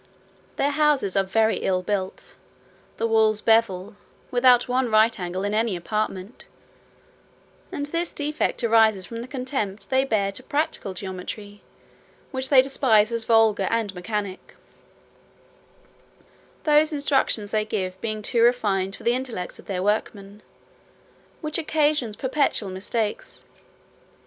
Their houses are very ill built, the walls bevel, without one right angle in any apartment; and this defect arises from the contempt they bear to practical geometry, which they despise as vulgar and mechanic; those instructions they give being too refined for the intellects of their workmen, which occasions perpetual mistakes.